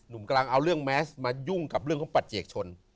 กำลังเอาเรื่องแมสมายุ่งกับเรื่องของปัจเจกชน